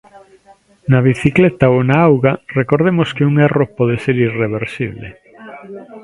Na bicicleta ou na auga, recordemos que un erro pode ser irreversible.